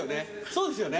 そうですよね。